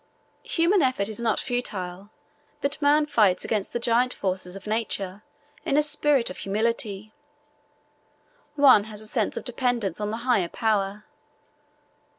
Human effort is not futile, but man fights against the giant forces of Nature in a spirit of humility. One has a sense of dependence on the higher Power.